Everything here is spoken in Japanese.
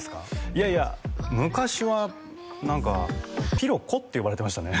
いやいや昔は何か「ぴろこ」って呼ばれてましたね